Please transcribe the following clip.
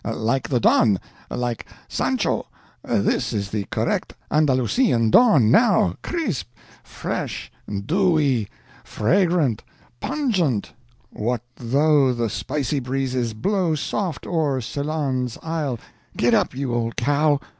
Like the Don! like Sancho! This is the correct Andalusian dawn now—crisp, fresh, dewy, fragrant, pungent—" "'What though the spicy breezes Blow soft o'er Ceylon's isle—' —git up, you old cow!